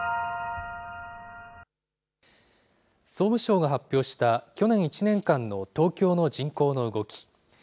総務省が発表した去年１年間の東京の人口の動き。